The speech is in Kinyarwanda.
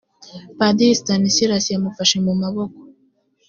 padiri stanislas yamufashe mu maboko